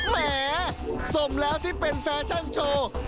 แหมสมแล้วที่เป็นแฟชั่นโชว์